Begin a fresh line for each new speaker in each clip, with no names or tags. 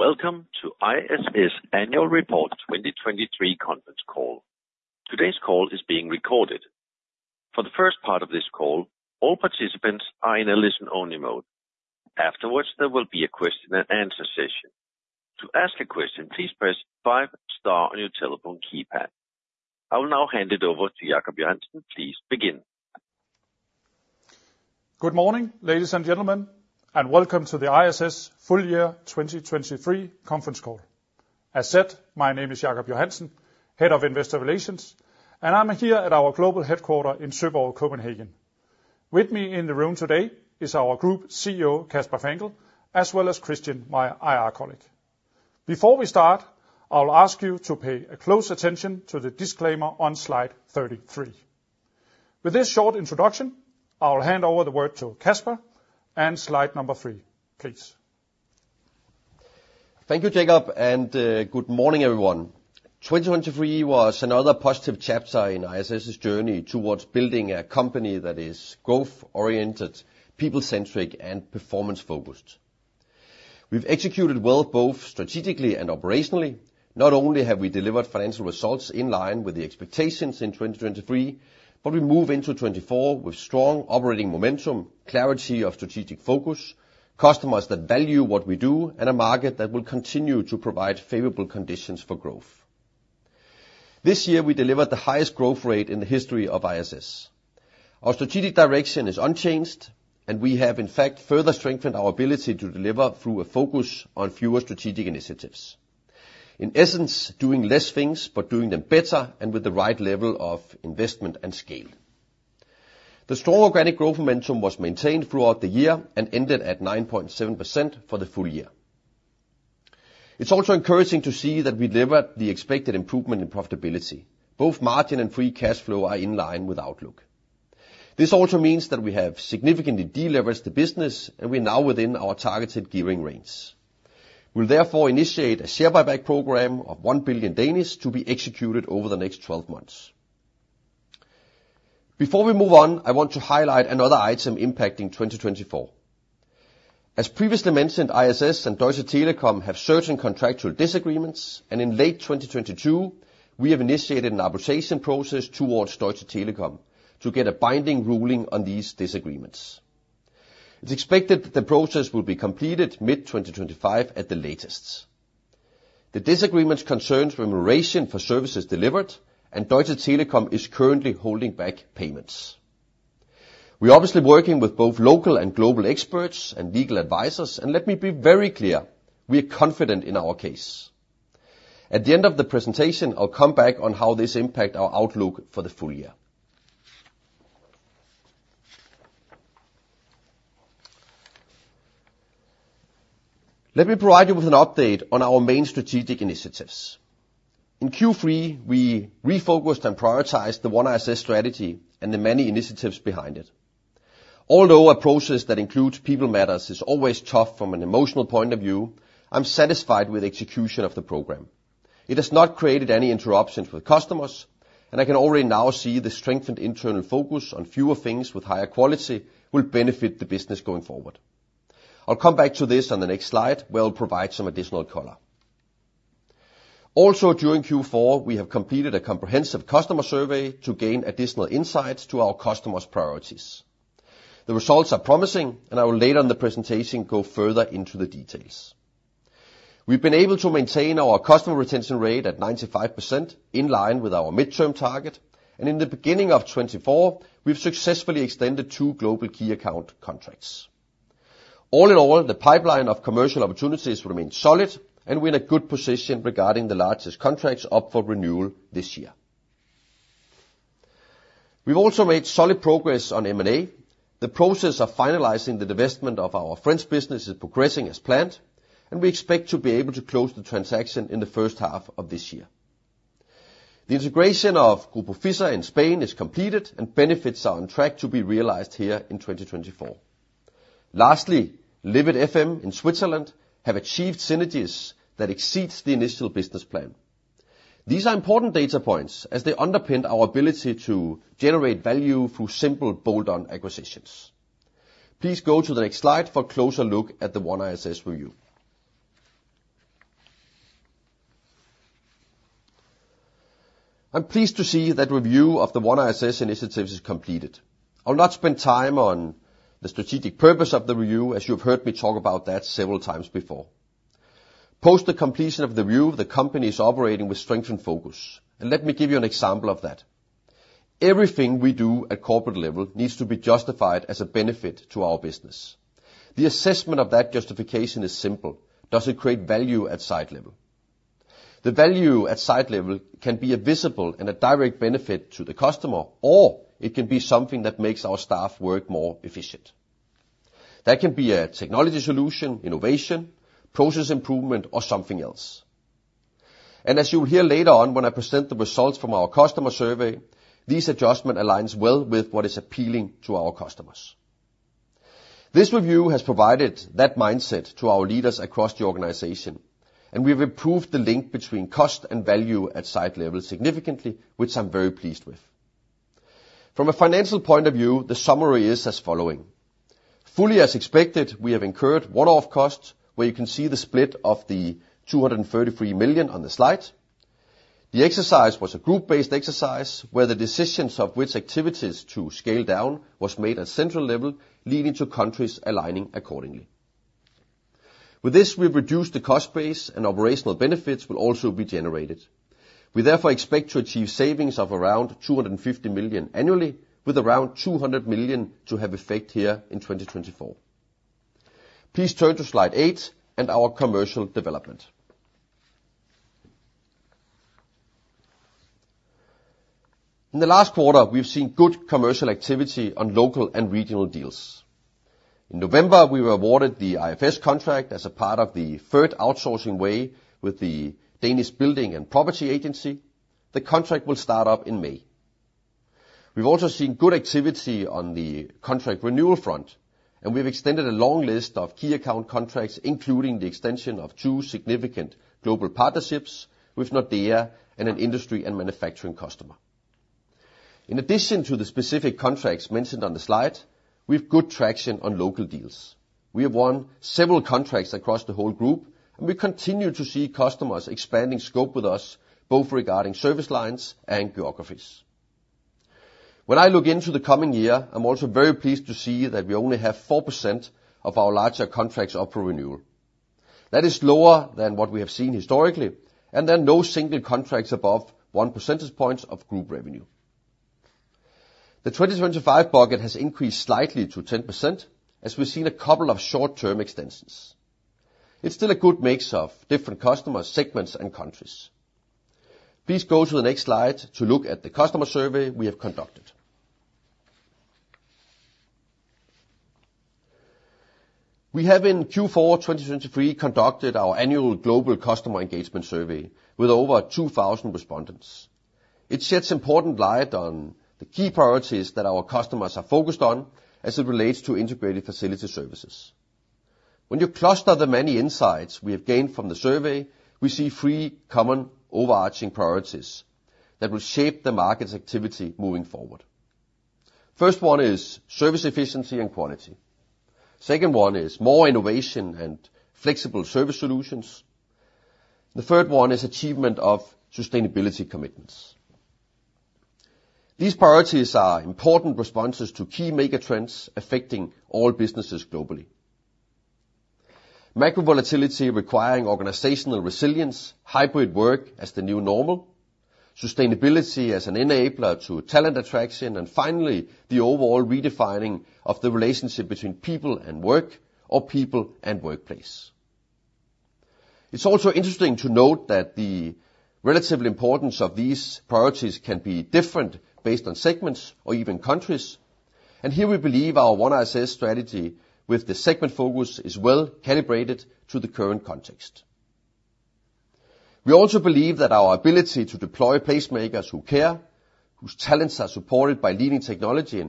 Welcome to ISS Annual Report 2023 conference call. Today's call is being recorded. For the first part of this call, all participants are in a listen-only mode. Afterwards, there will be a question and answer session. To ask a question, please press 5 star on your telephone keypad. I will now hand it over to Jacob Johansen. Please begin.
Good morning, ladies and gentlemen, and welcome to the ISS full year 2023 conference call. As said, my name is Jacob Johansen, Head of Investor Relations, and I'm here at our global headquarter in Søborg, Copenhagen. With me in the room today is our Group CEO, Kasper Fangel, as well as Kristian, my IR colleague. Before we start, I will ask you to pay a close attention to the disclaimer on slide 33. With this short introduction, I will hand over the word to Kasper, and slide 3, please.
Thank you, Jacob, and good morning, everyone. 2023 was another positive chapter in ISS's journey towards building a company that is growth-oriented, people-centric, and performance-focused. We've executed well, both strategically and operationally. Not only have we delivered financial results in line with the expectations in 2023, but we move into 2024 with strong operating momentum, clarity of strategic focus, customers that value what we do, and a market that will continue to provide favorable conditions for growth. This year, we delivered the highest growth rate in the history of ISS. Our strategic direction is unchanged, and we have, in fact, further strengthened our ability to deliver through a focus on fewer strategic initiatives. In essence, doing less things but doing them better and with the right level of investment and scale. The strong organic growth momentum was maintained throughout the year and ended at 9.7% for the full year. It's also encouraging to see that we delivered the expected improvement in profitability. Both margin and free cash flow are in line with outlook. This also means that we have significantly deleveraged the business, and we're now within our targeted gearing range. We'll therefore initiate a share buyback program of 1 billion to be executed over the next 12 months. Before we move on, I want to highlight another item impacting 2024. As previously mentioned, ISS and Deutsche Telekom have certain contractual disagreements, and in late 2022, we have initiated an arbitration process towards Deutsche Telekom to get a binding ruling on these disagreements. It's expected that the process will be completed mid-2025 at the latest. The disagreements concerns remuneration for services delivered, and Deutsche Telekom is currently holding back payments. We're obviously working with both local and global experts and legal advisors, and let me be very clear, we are confident in our case. At the end of the presentation, I'll come back on how this impact our outlook for the full year. Let me provide you with an update on our main strategic initiatives. In Q3, we refocused and prioritized the One ISS strategy and the many initiatives behind it. Although a process that includes people matters is always tough from an emotional point of view, I'm satisfied with the execution of the program. It has not created any interruptions with customers, and I can already now see the strengthened internal focus on fewer things with higher quality will benefit the business going forward. I'll come back to this on the next slide, where I'll provide some additional color. Also, during Q4, we have completed a comprehensive customer survey to gain additional insights to our customers' priorities. The results are promising, and I will later in the presentation go further into the details. We've been able to maintain our customer retention rate at 95%, in line with our midterm target, and in the beginning of 2024, we've successfully extended two global key account contracts. All in all, the pipeline of commercial opportunities remains solid, and we're in a good position regarding the largest contracts up for renewal this year. We've also made solid progress on M&A. The process of finalizing the divestment of our French business is progressing as planned, and we expect to be able to close the transaction in the first half of this year. The integration of Grupo Fissa in Spain is completed, and benefits are on track to be realized here in 2024. Lastly, Livit FM in Switzerland has achieved synergies that exceed the initial business plan. These are important data points as they underpin our ability to generate value through simple bolt-on acquisitions. Please go to the next slide for a closer look at the One ISS review. I'm pleased to see that review of the One ISS initiatives is completed. I'll not spend time on the strategic purpose of the review, as you've heard me talk about that several times before. Post the completion of the review, the company is operating with strengthened focus, and let me give you an example of that. Everything we do at corporate level needs to be justified as a benefit to our business. The assessment of that justification is simple: Does it create value at site level? The value at site level can be a visible and a direct benefit to the customer, or it can be something that makes our staff work more efficient. That can be a technology solution, innovation, process improvement, or something else. And as you will hear later on when I present the results from our customer survey, this adjustment aligns well with what is appealing to our customers. This review has provided that mindset to our leaders across the organization, and we've improved the link between cost and value at site level significantly, which I'm very pleased with. From a financial point of view, the summary is as following: Fully as expected, we have incurred one-off costs, where you can see the split of 233 million on the slide. The exercise was a group-based exercise, where the decisions of which activities to scale down was made at central level, leading to countries aligning accordingly. With this, we've reduced the cost base, and operational benefits will also be generated. We therefore expect to achieve savings of around 250 million annually, with around 200 million to have effect here in 2024. Please turn to slide 8 and our commercial development. In the last quarter, we've seen good commercial activity on local and regional deals. In November, we were awarded the IFS contract as a part of the third outsourcing wave with the Danish Building and Property Agency. The contract will start up in May. We've also seen good activity on the contract renewal front, and we've extended a long list of key account contracts, including the extension of two significant global partnerships with Nordea and an industry and manufacturing customer. In addition to the specific contracts mentioned on the slide, we've good traction on local deals. We have won several contracts across the whole group, and we continue to see customers expanding scope with us, both regarding service lines and geographies. When I look into the coming year, I'm also very pleased to see that we only have 4% of our larger contracts up for renewal. That is lower than what we have seen historically, and there are no single contracts above one percentage point of group revenue. The 2025 bucket has increased slightly to 10%, as we've seen a couple of short-term extensions. It's still a good mix of different customer segments and countries. Please go to the next slide to look at the customer survey we have conducted. We have in Q4 2023 conducted our annual global customer engagement survey with over 2,000 respondents. It sheds important light on the key priorities that our customers are focused on as it relates to integrated facility services. When you cluster the many insights we have gained from the survey, we see three common overarching priorities that will shape the market's activity moving forward. First one is service efficiency and quality. Second one is more innovation and flexible service solutions. The third one is achievement of sustainability commitments. These priorities are important responses to key mega trends affecting all businesses globally. Macro volatility requiring organizational resilience, hybrid work as the new normal, sustainability as an enabler to talent attraction, and finally, the overall redefining of the relationship between people and work or people and workplace. It's also interesting to note that the relative importance of these priorities can be different based on segments or even countries, and here we believe our One ISS strategy with the segment focus is well calibrated to the current context. We also believe that our ability to deploy placemakers who care, whose talents are supported by leading technology,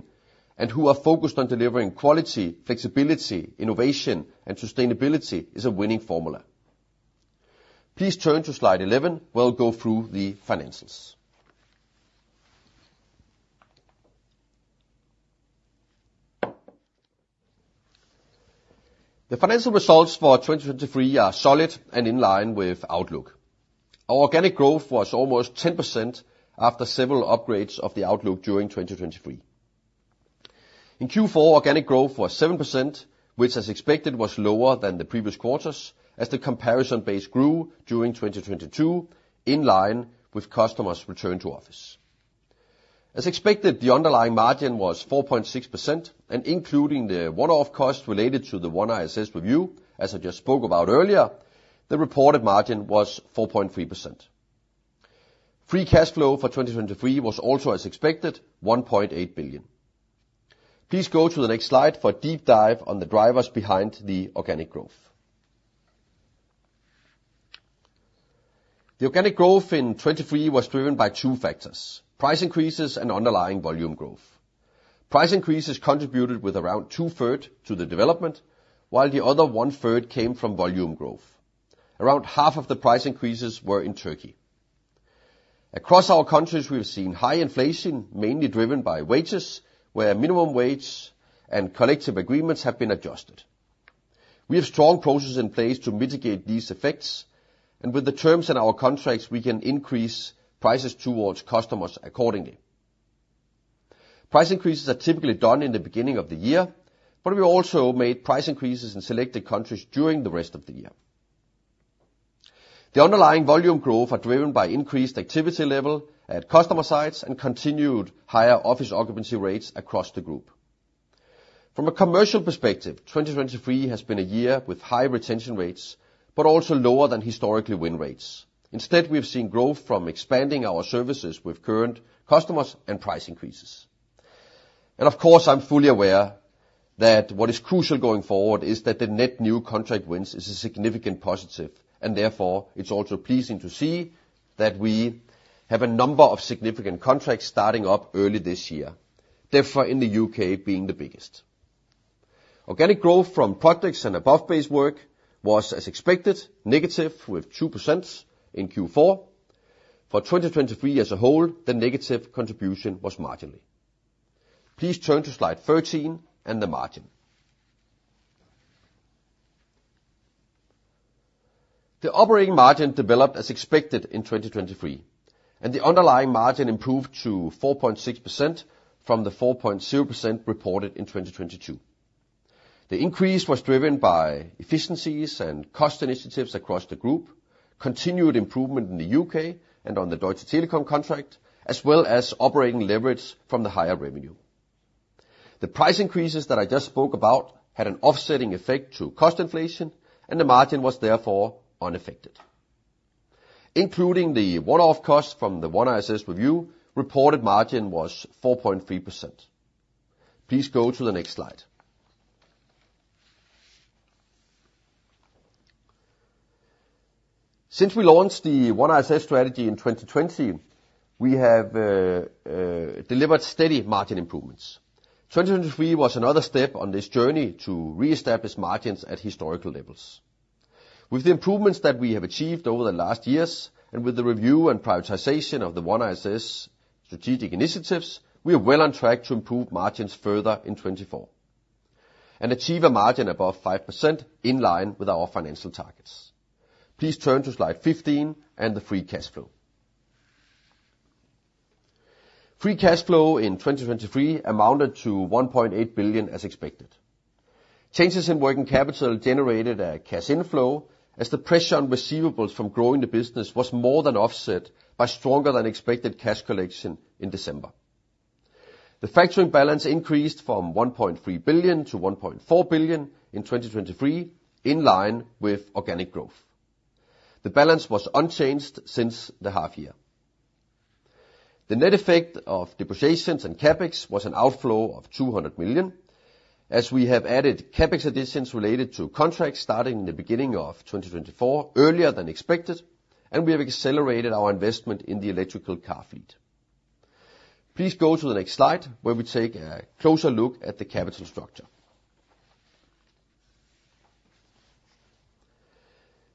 and who are focused on delivering quality, flexibility, innovation, and sustainability is a winning formula. Please turn to slide 11, where I'll go through the financials. The financial results for 2023 are solid and in line with outlook. Our organic growth was almost 10% after several upgrades of the outlook during 2023. In Q4, organic growth was 7%, which as expected, was lower than the previous quarters, as the comparison base grew during 2022, in line with customers' return to office. As expected, the underlying margin was 4.6%, and including the one-off cost related to the One ISS review, as I just spoke about earlier, the reported margin was 4.3%. Free cash flow for 2023 was also as expected, 1.8 billion. Please go to the next slide for a deep dive on the drivers behind the organic growth. The organic growth in 2023 was driven by two factors: price increases and underlying volume growth. Price increases contributed with around two-thirds to the development, while the other one-third came from volume growth. Around half of the price increases were in Turkey. Across our countries, we've seen high inflation, mainly driven by wages, where minimum wage and collective agreements have been adjusted. We have strong processes in place to mitigate these effects, and with the terms in our contracts, we can increase prices towards customers accordingly. Price increases are typically done in the beginning of the year, but we also made price increases in selected countries during the rest of the year. The underlying volume growth are driven by increased activity level at customer sites and continued higher office occupancy rates across the group. From a commercial perspective, 2023 has been a year with high retention rates, but also lower than historically win rates. Instead, we've seen growth from expanding our services with current customers and price increases. Of course, I'm fully aware that what is crucial going forward is that the net new contract wins is a significant positive, and therefore, it's also pleasing to see that we have a number of significant contracts starting up early this year, therefore, in the U.K. being the biggest.... Organic growth from projects and above-base work was, as expected, negative with 2% in Q4. For 2023 as a whole, the negative contribution was marginal. Please turn to slide 13 and the margin. The operating margin developed as expected in 2023, and the underlying margin improved to 4.6% from the 4.0% reported in 2022. The increase was driven by efficiencies and cost initiatives across the group, continued improvement in the U.K. and on the Deutsche Telekom contract, as well as operating leverage from the higher revenue. The price increases that I just spoke about had an offsetting effect to cost inflation, and the margin was therefore unaffected. Including the one-off cost from the One ISS review, reported margin was 4.3%. Please go to the next slide. Since we launched the One ISS strategy in 2020, we have delivered steady margin improvements. 2023 was another step on this journey to reestablish margins at historical levels. With the improvements that we have achieved over the last years, and with the review and prioritization of the One ISS strategic initiatives, we are well on track to improve margins further in 2024 and achieve a margin above 5% in line with our financial targets. Please turn to slide 15 and the free cash flow. Free cash flow in 2023 amounted to 1.8 billion as expected. Changes in working capital generated a cash inflow, as the pressure on receivables from growing the business was more than offset by stronger than expected cash collection in December. The factoring balance increased from 1.3 billion to 1.4 billion in 2023, in line with organic growth. The balance was unchanged since the half year. The net effect of depreciations and CapEx was an outflow of 200 million, as we have added CapEx additions related to contracts starting in the beginning of 2024, earlier than expected, and we have accelerated our investment in the electric car fleet. Please go to the next slide, where we take a closer look at the capital structure.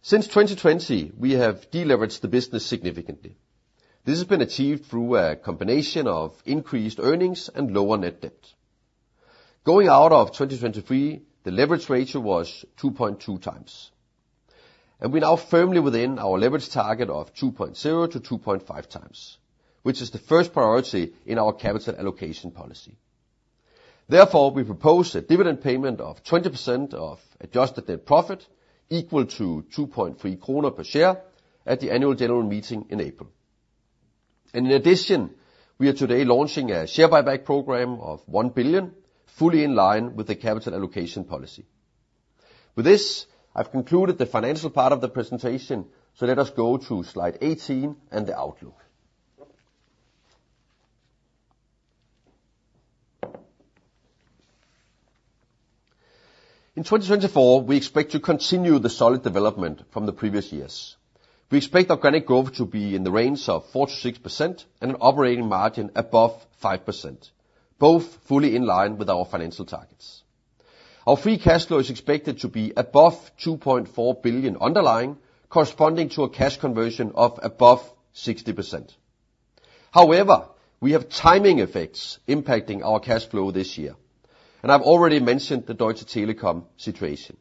Since 2020, we have deleveraged the business significantly. This has been achieved through a combination of increased earnings and lower net debt. Going out of 2023, the leverage ratio was 2.2x, and we're now firmly within our leverage target of 2.0x-2.5x, which is the first priority in our capital allocation policy. Therefore, we propose a dividend payment of 20% of adjusted net profit, equal to 2.3 kroner per share at the annual general meeting in April. And in addition, we are today launching a share buyback program of 1 billion, fully in line with the capital allocation policy. With this, I've concluded the financial part of the presentation, so let us go to slide 18 and the outlook. In 2024, we expect to continue the solid development from the previous years. We expect organic growth to be in the range of 4%-6% and an operating margin above 5%, both fully in line with our financial targets. Our free cash flow is expected to be above 2.4 billion underlying, corresponding to a cash conversion of above 60%. However, we have timing effects impacting our cash flow this year, and I've already mentioned the Deutsche Telekom situation.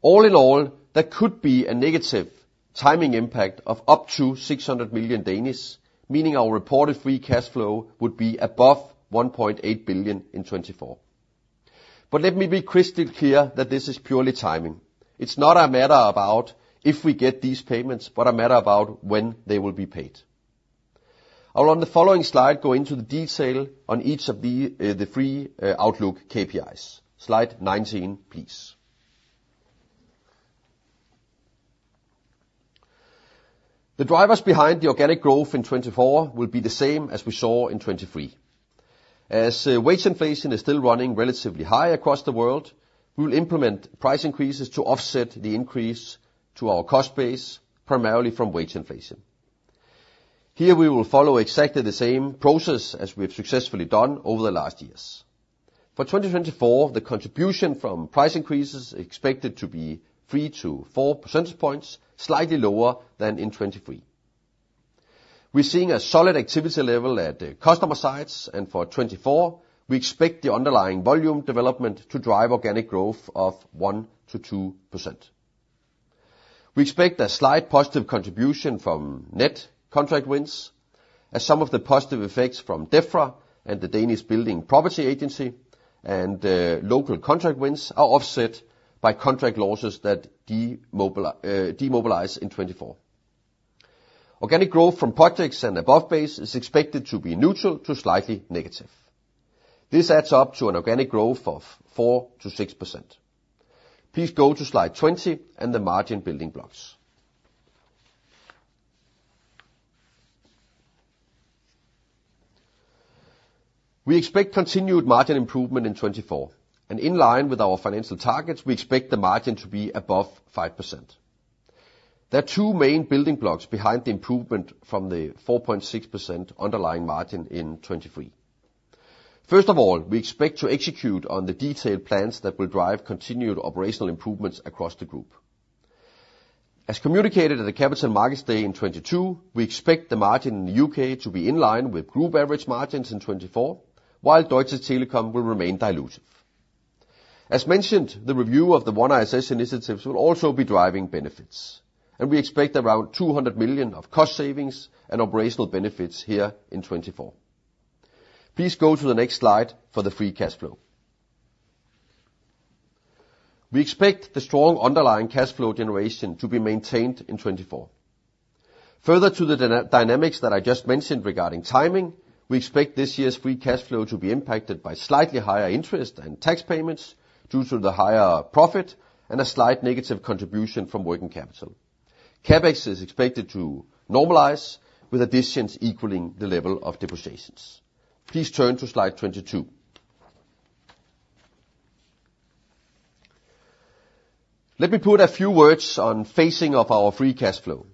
All in all, there could be a negative timing impact of up to 600 million Danish, meaning our reported free cash flow would be above 1.8 billion in 2024. But let me be crystal clear that this is purely timing. It's not a matter about if we get these payments, but a matter about when they will be paid. I'll, on the following slide, go into the detail on each of the, the three, outlook KPIs. Slide 19, please. The drivers behind the organic growth in 2024 will be the same as we saw in 2023. As wage inflation is still running relatively high across the world, we'll implement price increases to offset the increase to our cost base, primarily from wage inflation. Here, we will follow exactly the same process as we have successfully done over the last years. For 2024, the contribution from price increases is expected to be 3-4 percentage points, slightly lower than in 2023. We're seeing a solid activity level at customer sites, and for 2024, we expect the underlying volume development to drive organic growth of 1%-2%. We expect a slight positive contribution from net contract wins, as some of the positive effects from DEFRA and the Danish Building and Property Agency and local contract wins are offset by contract losses that demobilize in 2024. Organic growth from projects and above base is expected to be neutral to slightly negative. This adds up to an organic growth of 4%-6%. Please go to slide 20 and the margin building blocks. We expect continued margin improvement in 2024, and in line with our financial targets, we expect the margin to be above 5%. There are two main building blocks behind the improvement from the 4.6% underlying margin in 2023. First of all, we expect to execute on the detailed plans that will drive continued operational improvements across the group. As communicated at the Capital Markets Day in 2022, we expect the margin in the U.K. to be in line with group average margins in 2024, while Deutsche Telekom will remain dilutive. As mentioned, the review of the One ISS initiatives will also be driving benefits, and we expect around 200 million of cost savings and operational benefits here in 2024. Please go to the next slide for the free cash flow. We expect the strong underlying cash flow generation to be maintained in 2024. Further to the dynamics that I just mentioned regarding timing, we expect this year's free cash flow to be impacted by slightly higher interest and tax payments due to the higher profit and a slight negative contribution from working capital. CapEx is expected to normalize, with additions equaling the level of depreciations. Please turn to slide 22. Let me put a few words on phasing of our free cash flow.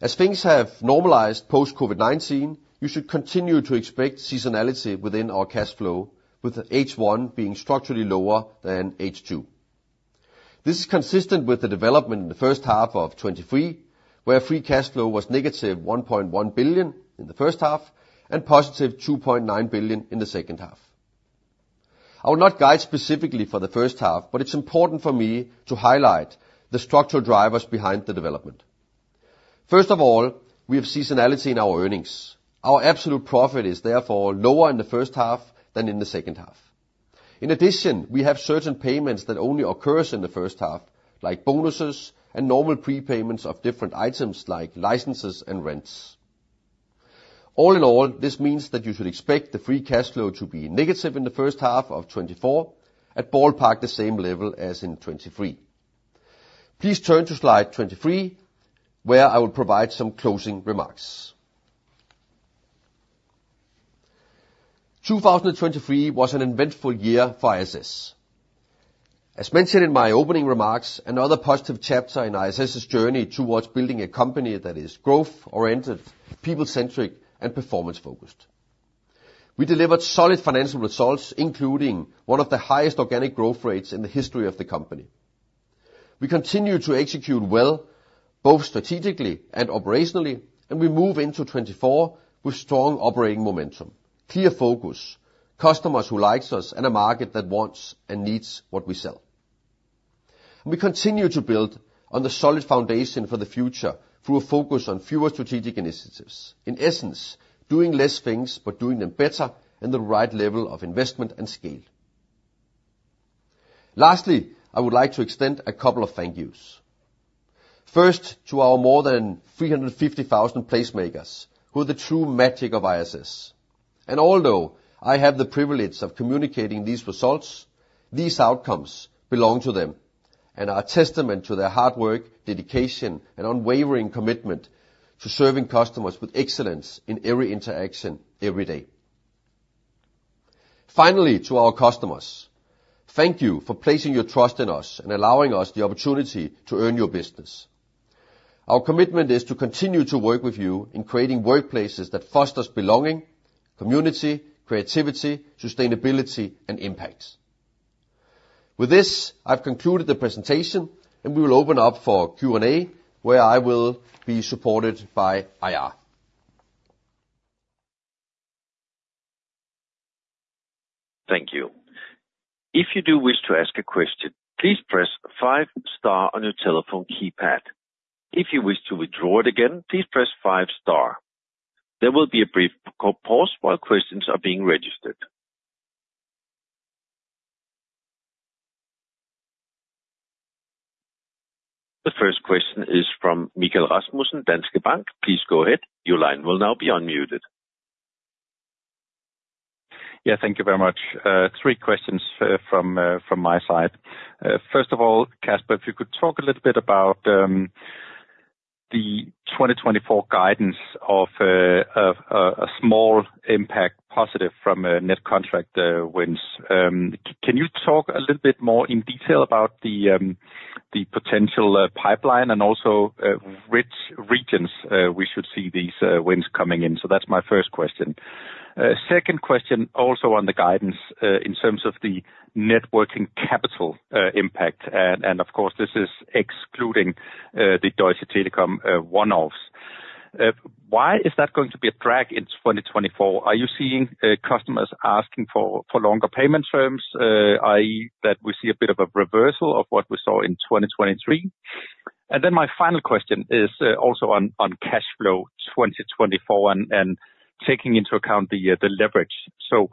As things have normalized post-COVID-19, you should continue to expect seasonality within our cash flow, with H1 being structurally lower than H2. This is consistent with the development in the first half of 2023, where free cash flow was negative 1.1 billion in the first half and positive 2.9 billion in the second half. I will not guide specifically for the first half, but it's important for me to highlight the structural drivers behind the development. First of all, we have seasonality in our earnings. Our absolute profit is therefore lower in the first half than in the second half. In addition, we have certain payments that only occurs in the first half, like bonuses and normal prepayments of different items like licenses and rents. All in all, this means that you should expect the free cash flow to be negative in the first half of 2024, at ballpark the same level as in 2023. Please turn to slide 23, where I will provide some closing remarks. 2023 was an eventful year for ISS. As mentioned in my opening remarks, another positive chapter in ISS' journey towards building a company that is growth-oriented, people-centric, and performance-focused. We delivered solid financial results, including one of the highest organic growth rates in the history of the company. We continue to execute well, both strategically and operationally, and we move into 2024 with strong operating momentum, clear focus, customers who likes us, and a market that wants and needs what we sell. We continue to build on the solid foundation for the future through a focus on fewer strategic initiatives. In essence, doing less things, but doing them better and the right level of investment and scale. Lastly, I would like to extend a couple of thank yous. First, to our more than 350,000 Placemakers, who are the true magic of ISS. And although I have the privilege of communicating these results, these outcomes belong to them and are a testament to their hard work, dedication, and unwavering commitment to serving customers with excellence in every interaction, every day. Finally, to our customers, thank you for placing your trust in us and allowing us the opportunity to earn your business. Our commitment is to continue to work with you in creating workplaces that fosters belonging, community, creativity, sustainability, and impact. With this, I've concluded the presentation, and we will open up for Q&A, where I will be supported by IR.
Thank you. If you do wish to ask a question, please press five star on your telephone keypad. If you wish to withdraw it again, please press five star. There will be a brief pause while questions are being registered. The first question is from Michael Rasmussen, Danske Bank. Please go ahead. Your line will now be unmuted.
Yeah, thank you very much. Three questions from my side. First of all, Kasper, if you could talk a little bit about the 2024 guidance of a small positive impact from net contract wins. Can you talk a little bit more in detail about the potential pipeline and also which regions we should see these wins coming in? So that's my first question. Second question, also on the guidance, in terms of the net working capital impact, and of course, this is excluding the Deutsche Telekom one-offs. Why is that going to be a drag in 2024? Are you seeing customers asking for longer payment terms, i.e., that we see a bit of a reversal of what we saw in 2023? And then my final question is also on cash flow 2024 and taking into account the leverage. So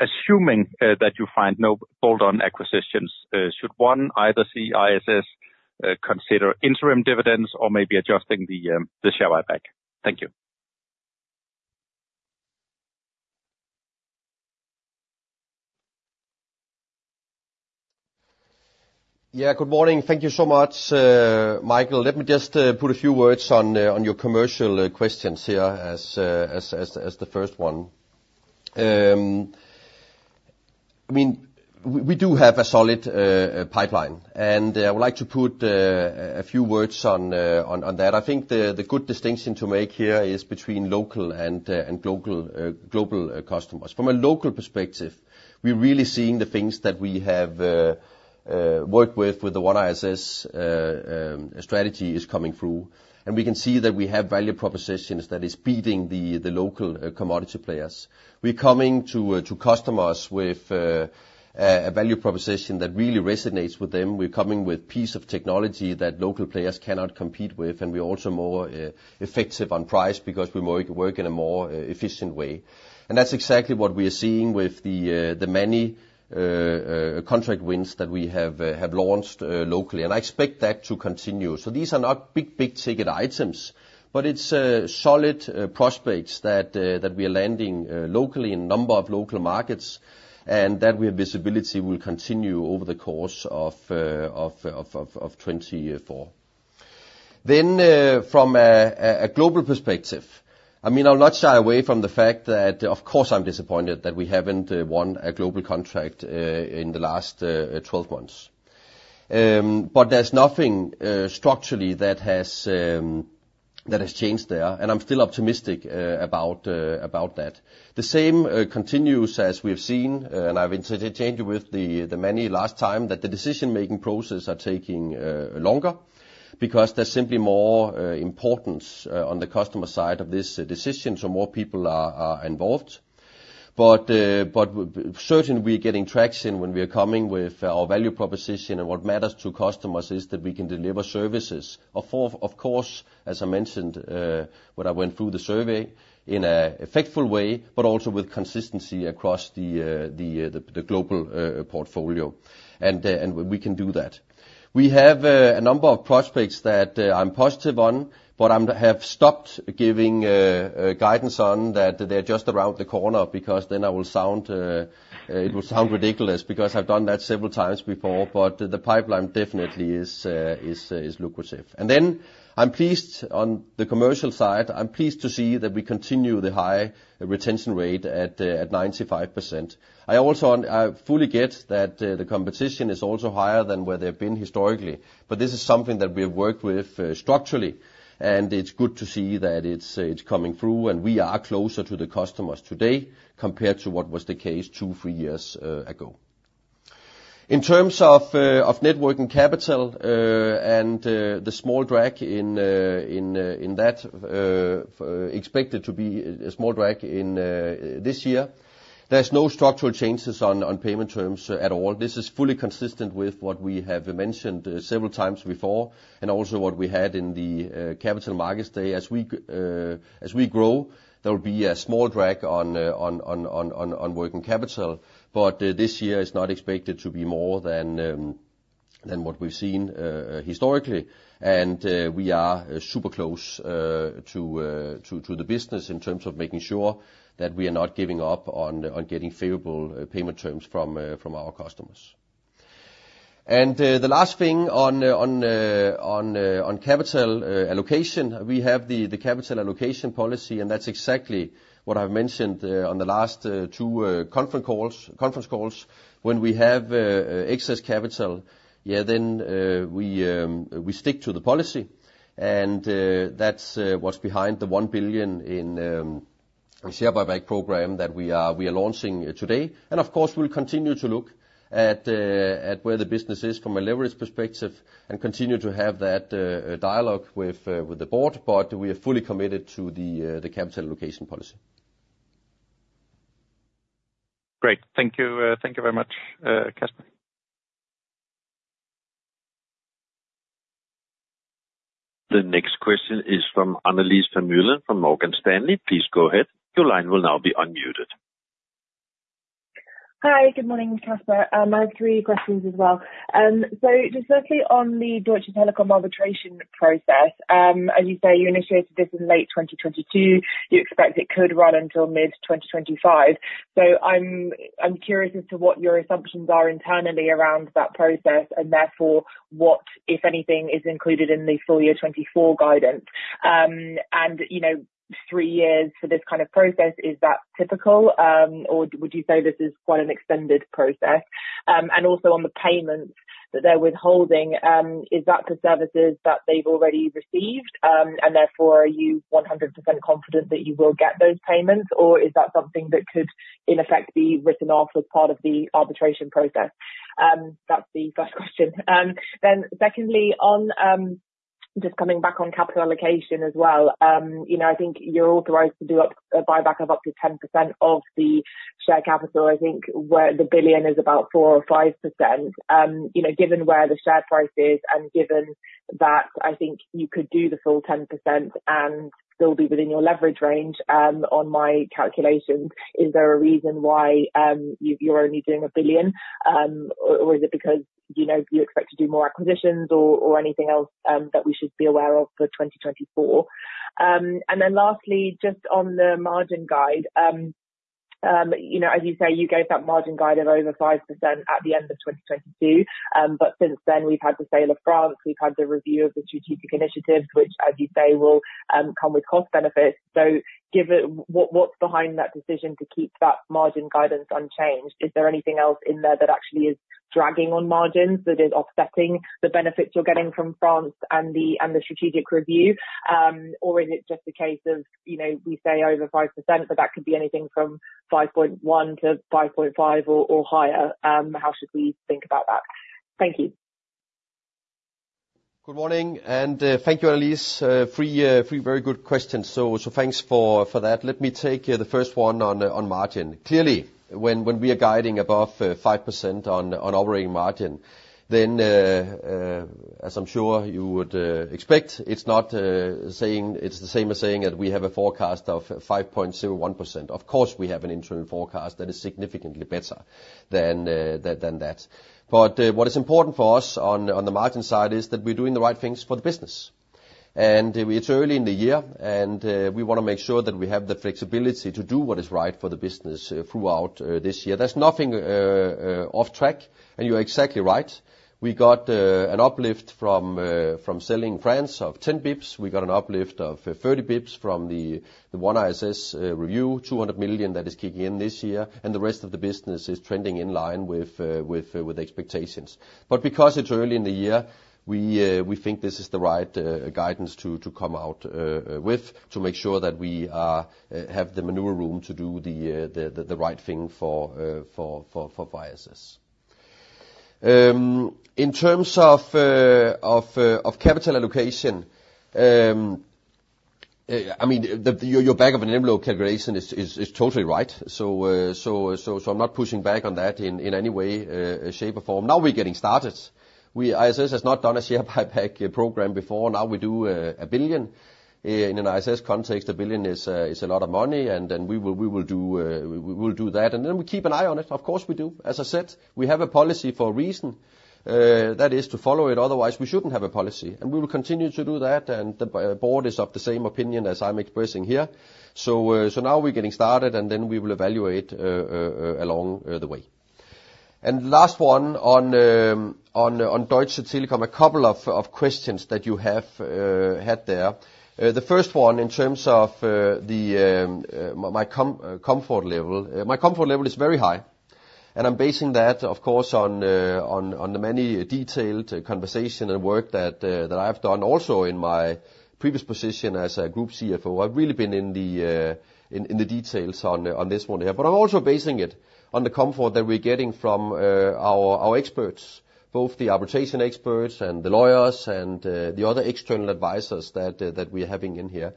assuming that you find no bolt-on acquisitions, should one either see ISS consider interim dividends or maybe adjusting the share buyback? Thank you.
Yeah, good morning. Thank you so much, Michael. Let me just put a few words on your commercial questions here as the first one. I mean, we do have a solid pipeline, and I would like to put a few words on that. I think the good distinction to make here is between local and global customers. From a local perspective, we're really seeing the things that we have worked with the One ISS strategy is coming through. And we can see that we have value propositions that is beating the local commodity players. We're coming to customers with a value proposition that really resonates with them. We're coming with pieces of technology that local players cannot compete with, and we're also more effective on price, because we work in a more efficient way. And that's exactly what we are seeing with the many contract wins that we have launched locally, and I expect that to continue. So these are not big-ticket items, but it's solid prospects that we are landing locally in a number of local markets, and that we have visibility will continue over the course of 2024. Then from a global perspective, I mean, I'll not shy away from the fact that, of course, I'm disappointed that we haven't won a global contract in the last 12 months. But there's nothing structurally that has changed there, and I'm still optimistic about that. The same continues as we have seen, and I've exchanged with the many last time, that the decision-making process are taking longer, because there's simply more importance on the customer side of this decision, so more people are involved. But certainly, we're getting traction when we are coming with our value proposition, and what matters to customers is that we can deliver services. Of course, as I mentioned, when I went through the survey, in a effective way, but also with consistency across the global portfolio, and we can do that. We have a number of prospects that I'm positive on, but I have stopped giving guidance on that they're just around the corner, because then it will sound ridiculous, because I've done that several times before, but the pipeline definitely is lucrative. Then I'm pleased on the commercial side. I'm pleased to see that we continue the high retention rate at 95%. I also fully get that the competition is also higher than where they've been historically, but this is something that we have worked with structurally, and it's good to see that it's coming through, and we are closer to the customers today compared to what was the case two, three years ago. In terms of net working capital and the small drag in that expected to be a small drag in this year, there's no structural changes on payment terms at all. This is fully consistent with what we have mentioned several times before, and also what we had in the Capital Markets Day. As we grow, there will be a small drag on working capital, but this year is not expected to be more than what we've seen historically. We are super close to the business in terms of making sure that we are not giving up on getting favorable payment terms from our customers. And, the last thing on capital allocation, we have the capital allocation policy, and that's exactly what I've mentioned on the last two conference calls. When we have excess capital, yeah, then we stick to the policy, and that's what's behind the 1 billion share buyback program that we are launching today. And of course, we'll continue to look at where the business is from a leverage perspective and continue to have that dialogue with the board, but we are fully committed to the capital allocation policy.
Great. Thank you. Thank you very much, Kasper.
The next question is from Annelies Vermeulen, from Morgan Stanley. Please go ahead. Your line will now be unmuted.
Hi, good morning, Kasper. I have three questions as well. So just firstly, on the Deutsche Telekom arbitration process, as you say, you initiated this in late 2022. You expect it could run until mid-2025. So I'm curious as to what your assumptions are internally around that process, and therefore, what, if anything, is included in the full year 2024 guidance. And, you know, three years for this kind of process, is that typical? Or would you say this is quite an extended process? And also on the payments that they're withholding, is that for services that they've already received, and therefore, are you 100% confident that you will get those payments? Or is that something that could, in effect, be written off as part of the arbitration process? That's the first question.
Then, secondly, on just coming back on capital allocation as well, you know, I think you're authorized to do a buyback of up to 10% of the share capital. I think the billion is about 4% or 5%. You know, given where the share price is, and given that I think you could do the full 10% and still be within your leverage range, on my calculations, is there a reason why you, you're only doing 1 billion? Or is it because, you know, you expect to do more acquisitions or anything else that we should be aware of for 2024? And then lastly, just on the margin guide,...
you know, as you say, you gave that margin guide of over 5% at the end of 2022. But since then, we've had the sale of France, we've had the review of the strategic initiatives, which, as you say, will come with cost benefits. So, given what's behind that decision to keep that margin guidance unchanged? Is there anything else in there that actually is dragging on margins, that is offsetting the benefits you're getting from France and the, and the strategic review? Or is it just a case of, you know, we say over 5%, but that could be anything from 5.1%-5.5% or higher? How should we think about that? Thank you.
Good morning, and thank you, Elise. Three very good questions, so thanks for that. Let me take the first one on margin. Clearly, when we are guiding above 5% on operating margin, then as I'm sure you would expect, it's not saying - it's the same as saying that we have a forecast of 5.01%. Of course, we have an internal forecast that is significantly better than that. But what is important for us on the margin side is that we're doing the right things for the business. And it's early in the year, and we want to make sure that we have the flexibility to do what is right for the business throughout this year. There's nothing off track, and you're exactly right. We got an uplift from selling France of 10 bips. We got an uplift of 30 bips from the One ISS review, 200 million that is kicking in this year, and the rest of the business is trending in line with expectations. But because it's early in the year, we think this is the right guidance to come out with, to make sure that we have the maneuver room to do the right thing for ISS. In terms of capital allocation, I mean, your back of an envelope calculation is totally right. So, I'm not pushing back on that in any way, shape, or form. Now we're getting started. ISS has not done a share buyback program before. Now we do 1 billion. In an ISS context, 1 billion is a lot of money, and then we will do that. And then we keep an eye on it, of course, we do. As I said, we have a policy for a reason, that is to follow it, otherwise, we shouldn't have a policy. And we will continue to do that, and the board is of the same opinion as I'm expressing here. So now we're getting started, and then we will evaluate along the way. Last one on Deutsche Telekom, a couple of questions that you have had there. The first one, in terms of my comfort level. My comfort level is very high, and I'm basing that, of course, on the many detailed conversation and work that I've done also in my previous position as a Group CFO. I've really been in the details on this one here. But I'm also basing it on the comfort that we're getting from our experts, both the arbitration experts and the lawyers, and the other external advisors that we're having in here,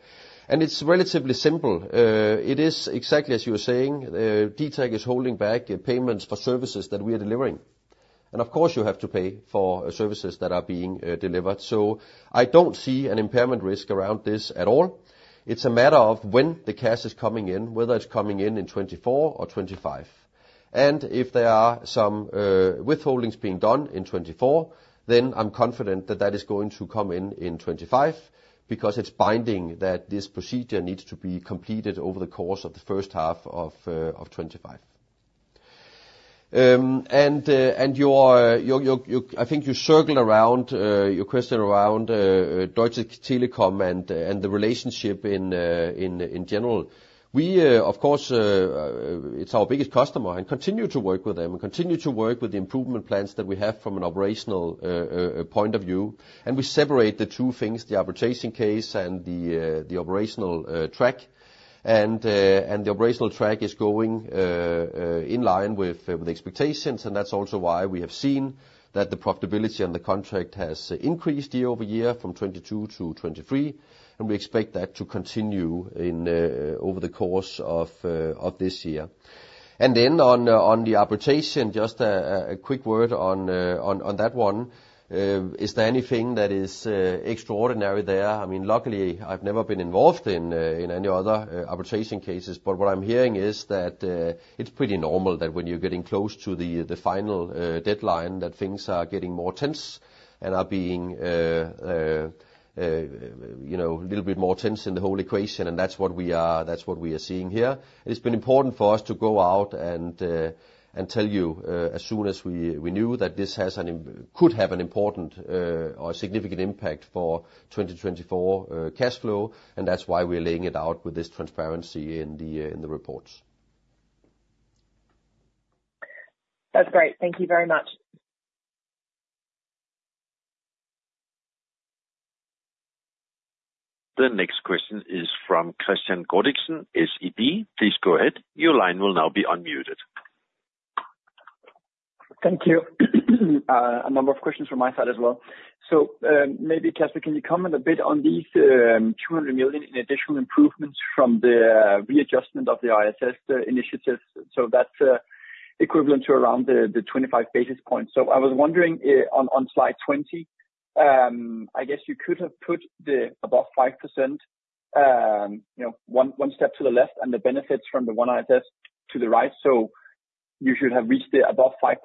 and it's relatively simple. It is exactly as you were saying, DTAC is holding back payments for services that we are delivering. Of course, you have to pay for services that are being delivered. So I don't see an impairment risk around this at all. It's a matter of when the cash is coming in, whether it's coming in in 2024 or 2025. And if there are some withholdings being done in 2024, then I'm confident that that is going to come in in 2025, because it's binding that this procedure needs to be completed over the course of the first half of 2025. And you are... I think you circle around your question around Deutsche Telekom and the relationship in general. We, of course, it's our biggest customer, and we continue to work with them and continue to work with the improvement plans that we have from an operational point of view. We separate the two things, the arbitration case and the operational track. The operational track is going in line with expectations, and that's also why we have seen that the profitability on the contract has increased year-over-year, from 2022 to 2023, and we expect that to continue in over the course of this year. Then on the arbitration, just a quick word on that one. Is there anything that is extraordinary there? I mean, luckily, I've never been involved in, in any other arbitration cases, but what I'm hearing is that, it's pretty normal that when you're getting close to the, the final, deadline, that things are getting more tense and are being, you know, a little bit more tense in the whole equation, and that's what we are, that's what we are seeing here. It's been important for us to go out and, and tell you, as soon as we, we knew that this has an could have an important, or significant impact for 2024, cash flow, and that's why we're laying it out with this transparency in the, in the reports.
That's great. Thank you very much.
The next question is from Kristian Godiksen, SEB. Please go ahead. Your line will now be unmuted.
Thank you. A number of questions from my side as well. So, maybe, Kasper, can you comment a bit on these 200 million in additional improvements from the readjustment of the ISS, the initiatives? So that's equivalent to around the 25 basis points. So I was wondering, on, on slide 20, I guess you could have put the above 5%, you know, one, one step to the left, and the benefits from the one ISS to the right. So you should have reached the above 5%,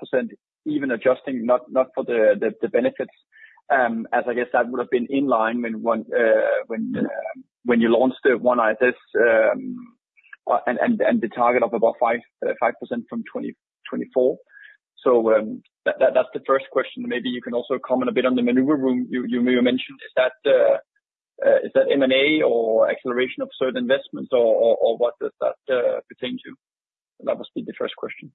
even adjusting not, not for the, the, the benefits, as I guess that would have been in line when one, when, when you launched the one ISS, and, and, and the target of about 5% from 2024. So, that, that's the first question. Maybe you can also comment a bit on the maneuver room you mentioned. Is that M&A or acceleration of certain investments or what does that pertain to? That was the first question.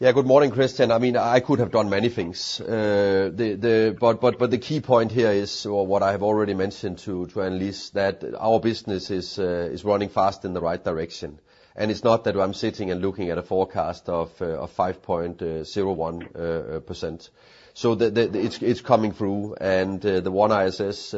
Yeah, good morning, Kristian. I mean, I could have done many things. But the key point here is what I have already mentioned to analysts, that our business is running fast in the right direction. And it's not that I'm sitting and looking at a forecast of 5.01%. So it's coming through, and the One ISS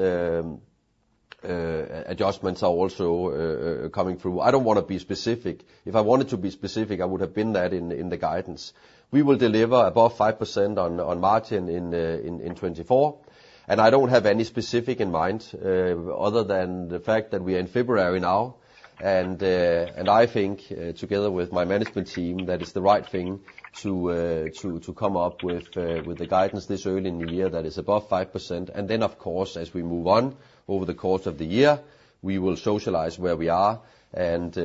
adjustments are also coming through. I don't want to be specific. If I wanted to be specific, I would have been that in the guidance. We will deliver above 5% on margin in 2024, and I don't have any specific in mind, other than the fact that we are in February now, and I think, together with my management team, that it's the right thing to come up with the guidance this early in the year that is above 5%. And then, of course, as we move on over the course of the year, we will socialize where we are, and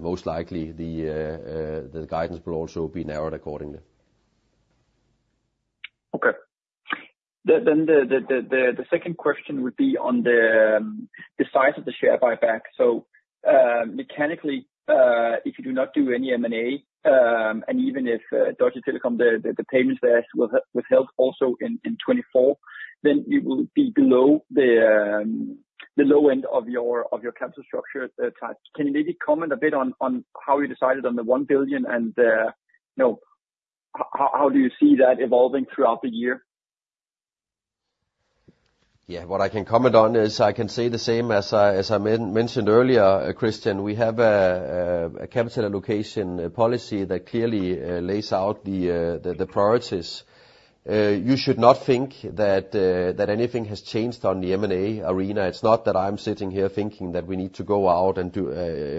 most likely, the guidance will also be narrowed accordingly.
Okay. Then the second question would be on the size of the share buyback. So, mechanically, if you do not do any M&A, and even if, Deutsche Telekom, the payments there will withheld also in 2024, then you will be below the low end of your capital structure type. Can you maybe comment a bit on how you decided on the 1 billion and, you know, how do you see that evolving throughout the year?
Yeah. What I can comment on is I can say the same as I mentioned earlier, Kristian, we have a capital allocation policy that clearly lays out the priorities. You should not think that anything has changed on the M&A arena. It's not that I'm sitting here thinking that we need to go out and do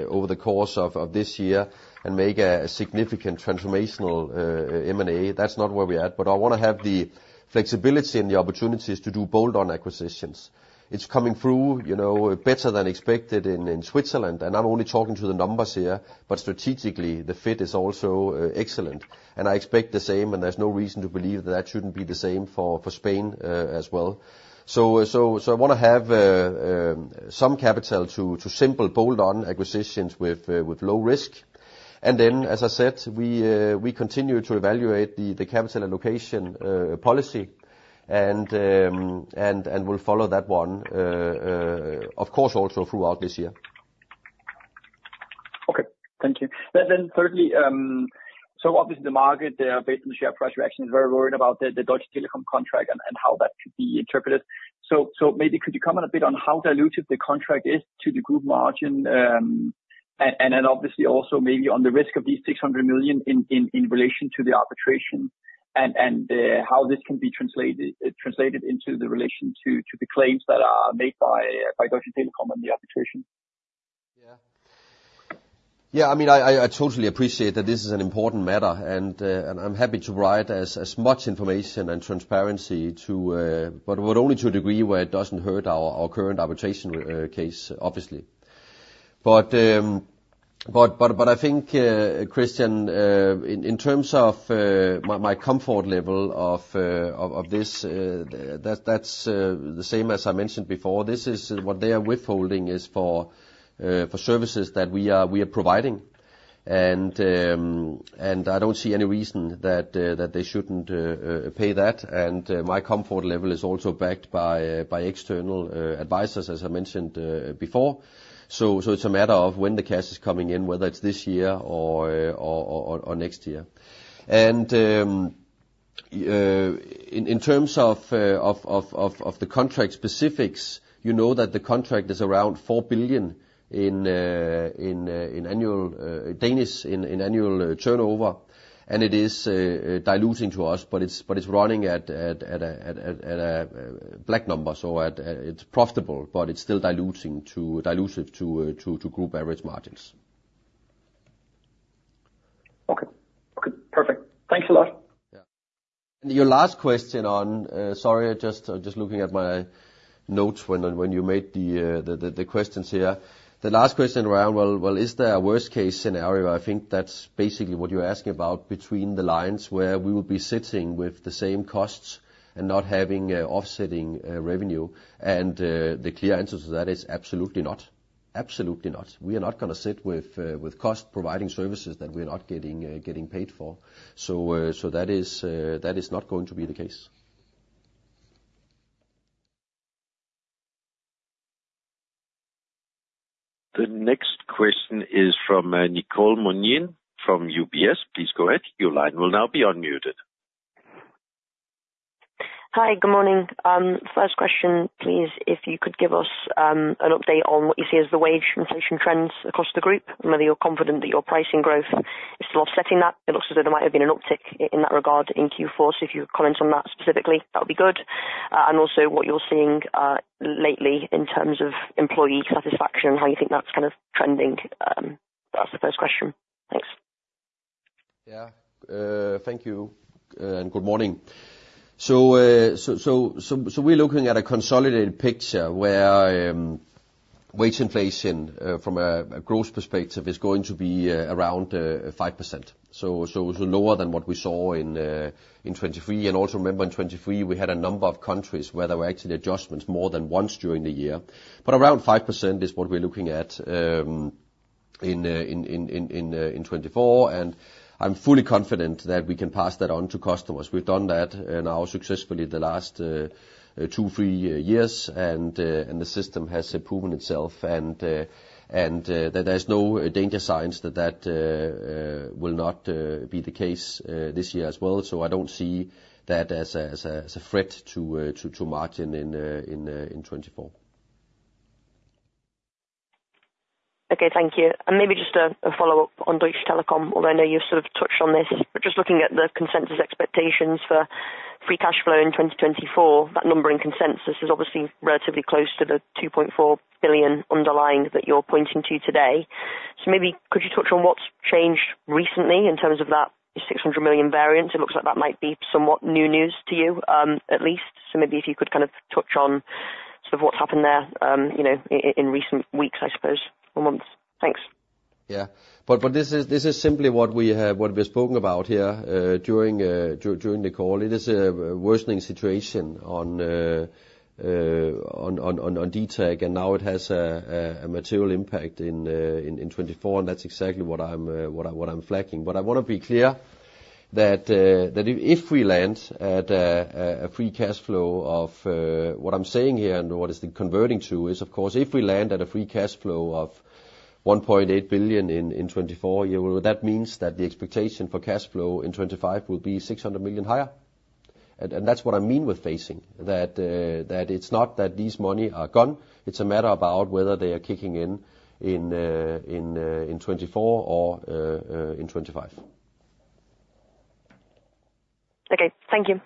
over the course of this year and make a significant transformational M&A. That's not where we're at. But I want to have the flexibility and the opportunities to do bolt-on acquisitions. It's coming through, you know, better than expected in Switzerland. And I'm only talking to the numbers here, but strategically, the fit is also excellent, and I expect the same, and there's no reason to believe that shouldn't be the same for Spain as well. So I want to have some capital to simple bolt-on acquisitions with low risk. And then, as I said, we continue to evaluate the capital allocation policy, and we'll follow that one of course also throughout this year.
Okay. Thank you. Then thirdly, so obviously the market, based on the share price reaction, is very worried about the Deutsche Telekom contract and how that could be interpreted. So maybe could you comment a bit on how dilutive the contract is to the group margin, and then obviously also maybe on the risk of these 600 million in relation to the arbitration and how this can be translated into the relation to the claims that are made by Deutsche Telekom on the arbitration?
Yeah. Yeah, I mean, I totally appreciate that this is an important matter, and I'm happy to provide as much information and transparency to... But only to a degree where it doesn't hurt our current arbitration case, obviously. But I think, Kristian, in terms of my comfort level of this, that's the same as I mentioned before. This is what they are withholding is for services that we are providing. And I don't see any reason that they shouldn't pay that. And my comfort level is also backed by external advisors, as I mentioned before. So, it's a matter of when the cash is coming in, whether it's this year or next year. And, in terms of the contract specifics, you know that the contract is around 4 billion in annual turnover, and it is diluting to us, but it's running at a black number, so it's profitable, but it's still diluting to, dilutive to group average margins.
Okay. Okay, perfect. Thanks a lot.
Yeah. And your last question on, sorry, I just looking at my notes when you made the questions here. The last question around, well, is there a worst-case scenario? I think that's basically what you're asking about between the lines, where we will be sitting with the same costs and not having offsetting revenue. And the clear answer to that is absolutely not. Absolutely not. We are not going to sit with with cost providing services that we're not getting paid for. So, so that is not going to be the case.
The next question is from Nicole Manion from UBS. Please go ahead. Your line will now be unmuted.
Hi, good morning. First question, please, if you could give us an update on what you see as the wage inflation trends across the group, and whether you're confident that your pricing growth is still offsetting that. It looks as though there might have been an uptick in that regard in Q4. So if you comment on that specifically, that would be good. And also what you're seeing lately in terms of employee satisfaction, how you think that's kind of trending? That's the first question. Thanks.
Yeah. Thank you, and good morning. So, we're looking at a consolidated picture where wage inflation from a growth perspective is going to be around 5%. So lower than what we saw in 2023. And also remember in 2023, we had a number of countries where there were actually adjustments more than once during the year. But around 5% is what we're looking at in 2024. And I'm fully confident that we can pass that on to customers. We've done that, and now successfully the last two, three years. And the system has proven itself, and there's no danger signs that that will not be the case this year as well. So I don't see that as a threat to margin in 2024.
Okay, thank you. And maybe just a follow-up on Deutsche Telekom, although I know you've sort of touched on this. But just looking at the consensus expectations for free cash flow in 2024, that number in consensus is obviously relatively close to the 2.4 billion underlying that you're pointing to today. So maybe could you touch on what's changed recently in terms of that 600 million variance? It looks like that might be somewhat new news to you, at least. So maybe if you could kind of touch on sort of what's happened there, you know, in recent weeks, I suppose, or months. Thanks.
Yeah. But this is simply what we have, what we've spoken about here, during the call. It is a worsening situation on D-Tech, and now it has a material impact in 2024, and that's exactly what I'm flagging. But I wanna be clear that if we land at a free cash flow of what I'm saying here and what it is converting to is, of course, if we land at a free cash flow of 1.8 billion in 2024, you know, that means that the expectation for cash flow in 2025 will be 600 million higher. That's what I mean with phasing, that it's not that these money are gone. It's a matter about whether they are kicking in in 2024 or in 2025.
Okay, thank you.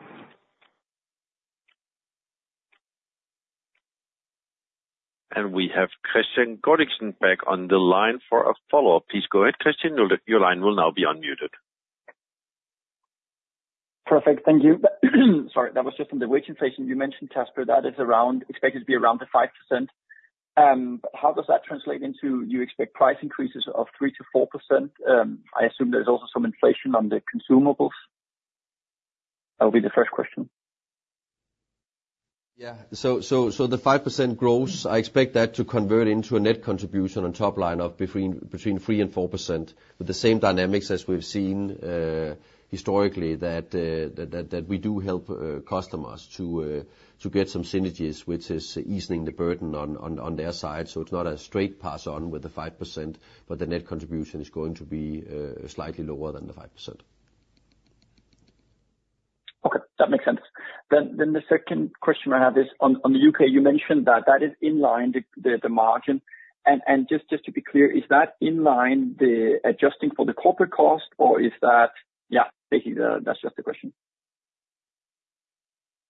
We have Kristian Gordiksen back on the line for a follow-up. Please go ahead, Kristian, your line will now be unmuted.
Perfect. Thank you. Sorry, that was just on the wage inflation you mentioned, Kasper, that is around, expected to be around the 5%. But how does that translate into you expect price increases of 3%-4%? I assume there's also some inflation on the consumables. That will be the first question.
Yeah. So the 5% growth, I expect that to convert into a net contribution on top line of between 3% and 4%, with the same dynamics as we've seen historically, that we do help customers to get some synergies, which is easing the burden on their side. So it's not a straight pass-on with the 5%, but the net contribution is going to be slightly lower than the 5%.
Okay, that makes sense. Then the second question I have is on the U.K. You mentioned that that is in line, the margin. And just to be clear, is that in line, adjusting for the corporate cost, or is that... Yeah, basically, that's just the question.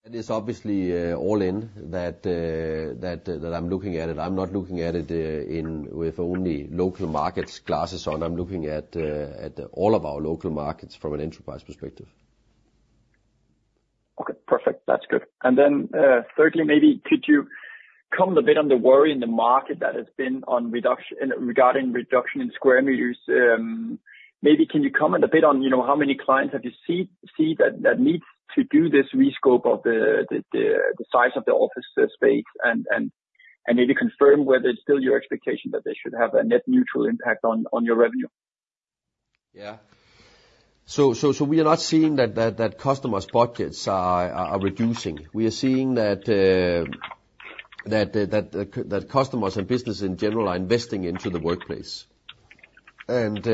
It is obviously all in that that I'm looking at it. I'm not looking at it in with only local markets glasses on. I'm looking at all of our local markets from an enterprise perspective.
Okay, perfect. That's good. And then, thirdly, maybe could you comment a bit on the worry in the market that has been on reduction regarding reduction in square meters? Maybe can you comment a bit on, you know, how many clients have you seen that needs to do this rescope of the size of the office space, and maybe confirm whether it's still your expectation that they should have a net neutral impact on your revenue?
Yeah. So we are not seeing that customers' budgets are reducing. We are seeing that customers and business in general are investing into the workplace. And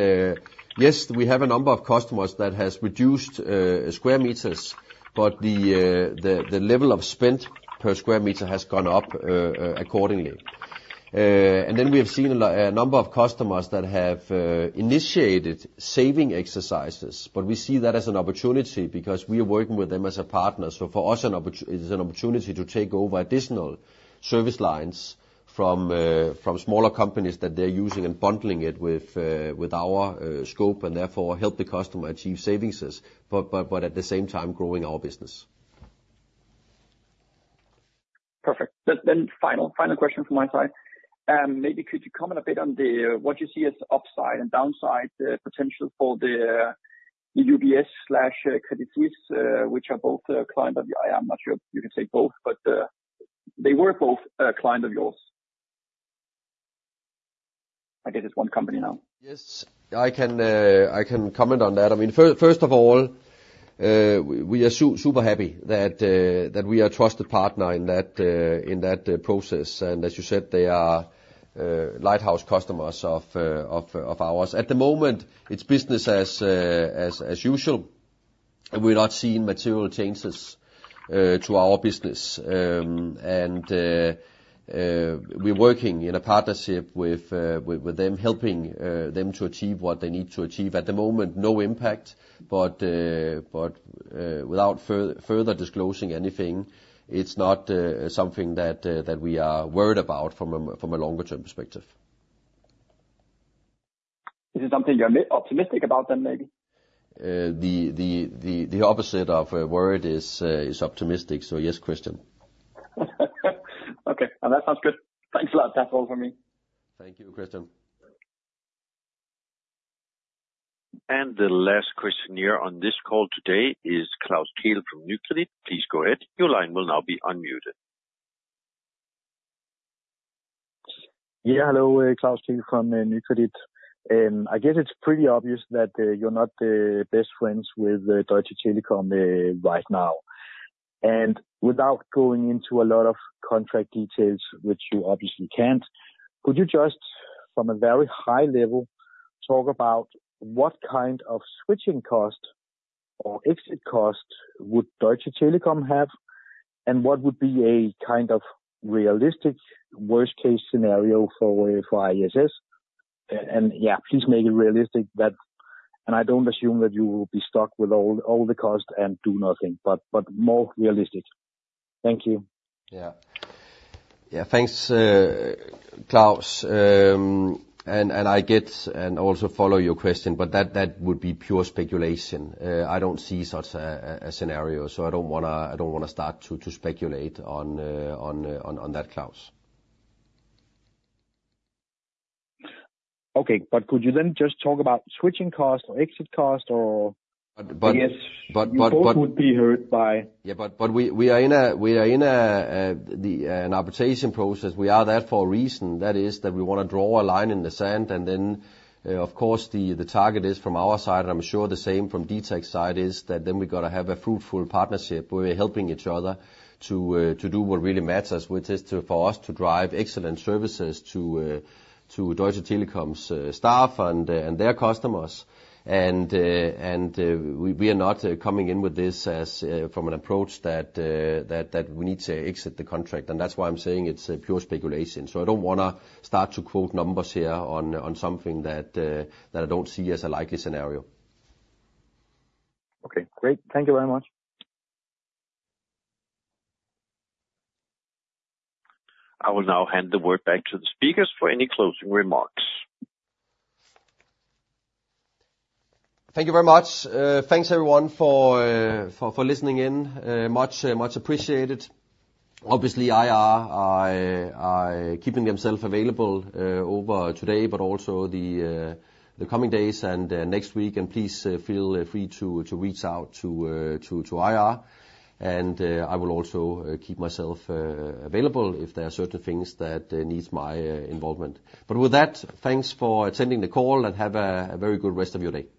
yes, we have a number of customers that has reduced square meters, but the level of spend per square meter has gone up accordingly. And then we have seen a number of customers that have initiated saving exercises, but we see that as an opportunity because we are working with them as a partner. So for us, an opport... It is an opportunity to take over additional service lines from smaller companies that they're using, and bundling it with our scope and therefore help the customer achieve savings, but, but, but at the same time growing our business.
Perfect. Then, final question from my side. Maybe could you comment a bit on what you see as upside and downside potential for the UBS/Credit Suisse, which are both a client of, I am not sure if you can say both, but they were both a client of yours. I guess it's one company now.
Yes, I can comment on that. I mean, first of all, we are super happy that we are a trusted partner in that process. And as you said, they are lighthouse customers of ours. At the moment, it's business as usual, and we're not seeing material changes to our business. And we're working in a partnership with them, helping them to achieve what they need to achieve. At the moment, no impact, but without further disclosing anything, it's not something that we are worried about from a longer-term perspective.
...Is it something you're a bit optimistic about then, maybe?
The opposite of worried is optimistic, so yes, Kristian.
Okay. Well, that sounds good. Thanks a lot. That's all for me.
Thank you, Kristian.
The last question here on this call today is Klaus Kehl from Nykredit. Please go ahead. Your line will now be unmuted.
Yeah, hello, Klaus Kehl from Nykredit. I guess it's pretty obvious that you're not best friends with Deutsche Telekom right now. And without going into a lot of contract details, which you obviously can't, could you just, from a very high level, talk about what kind of switching cost or exit cost would Deutsche Telekom have? And what would be a kind of realistic worst case scenario for ISS? And, yeah, please make it realistic that... And I don't assume that you will be stuck with all the cost and do nothing, but more realistic. Thank you.
Yeah. Yeah, thanks, Klaus. And I get and also follow your question, but that would be pure speculation. I don't see such a scenario, so I don't wanna start to speculate on that, Klaus.
Okay. But could you then just talk about switching costs or exit costs or?
But, but-
ISS, you both would be heard by-
Yeah, but we are in an arbitration process. We are there for a reason. That is, we want to draw a line in the sand, and then, of course, the target is from our side, I'm sure the same from DTech's side, is that then we've got to have a fruitful partnership. We're helping each other to do what really matters, which is to, for us to drive excellent services to Deutsche Telekom's staff and their customers. And we are not coming in with this as from an approach that we need to exit the contract, and that's why I'm saying it's a pure speculation. I don't wanna start to quote numbers here on something that I don't see as a likely scenario.
Okay, great. Thank you very much.
I will now hand the word back to the speakers for any closing remarks.
Thank you very much. Thanks, everyone, for listening in, much appreciated. Obviously, IR are keeping themselves available over today, but also the coming days and next week. And please feel free to reach out to IR. And I will also keep myself available if there are certain things that needs my involvement. But with that, thanks for attending the call, and have a very good rest of your day.